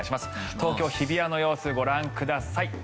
東京・日比谷の様子ご覧ください。